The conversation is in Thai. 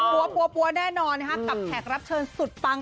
ปั๊วปั๊วปั๊วแน่นอนนะคะกับแขกรับเชิญสุดปัง